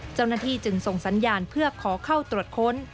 เจ้าหน้าที่จึงส่งสัญญาณเพื่อขอเข้าตรวจค้น